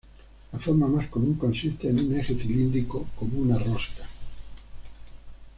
La forma más común consiste en un eje cilíndrico como una rosca.